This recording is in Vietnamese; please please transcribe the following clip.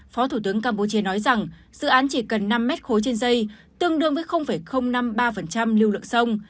phó thủ tướng campuchia nói rằng dự án chỉ cần năm mét khối trên dây tương đương với năm mươi ba lưu lượng sông